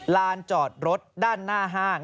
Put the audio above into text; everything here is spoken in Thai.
ลานจอดรถด้านหน้าห้าง